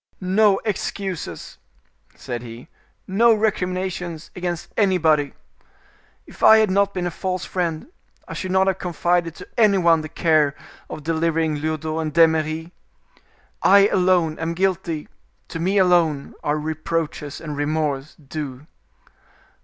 "No excuses," said he, "no recriminations against anybody. If I had not been a false friend I should not have confided to any one the care of delivering Lyodot and D'Eymeris. I alone am guilty; to me alone are reproaches and remorse due.